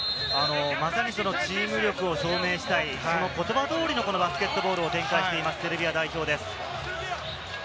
まさにチーム力を証明したい、その言葉通りのバスケットボールを展開しています、セルビア代表です。